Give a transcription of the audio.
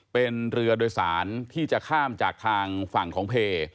เป็นเรือโดยสารที่จะข้ามจากทางฝั่งของเพ